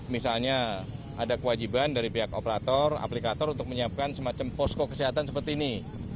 misalnya ada kewajiban dari pihak operator aplikator untuk menyiapkan semacam posko kesehatan seperti ini